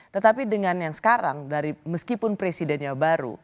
tetapi dengan yang sekarang dari meskipun presidennya baru